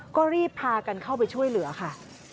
ก็รีบพากันเข้าไปช่วยเหลือค่ะ